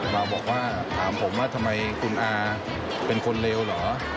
มาบอกว่าถามผมว่าทำไมคุณอาเป็นคนเลวเหรอ